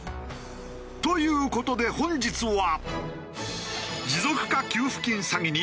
という事で本日は。